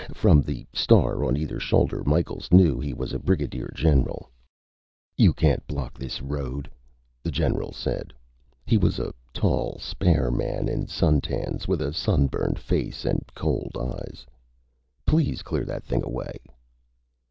From the star on either shoulder, Micheals knew he was a brigadier general. "You can't block this road," the general said. He was a tall, spare man in suntans, with a sunburned face and cold eyes. "Please clear that thing away."